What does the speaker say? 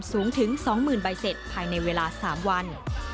สูงถึง๒๐๐๐ใบเสร็จภายในเวลา๓วัน